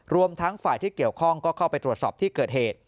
รวมทั้งฝ่ายที่เกี่ยวข้องก็เข้าไปตรวจสอบที่เกิดเหตุ